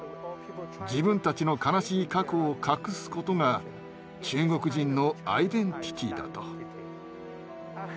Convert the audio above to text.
自分たちの悲しい過去を隠すことが中国人のアイデンティティーだと。